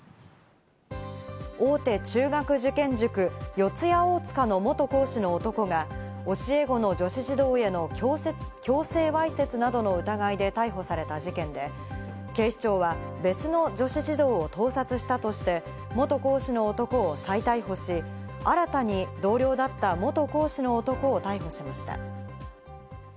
大手中学受験塾・四谷大塚の元講師の男が、教え子の女子児童への強制わいせつなどの疑いで逮捕された事件で、警視庁は、別の女子児童を盗撮したとして元講師の男を再逮捕し、新たに同僚だった元講師の男を逮捕しました。